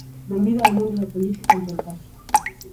Benvida ao mundo da política en todo caso.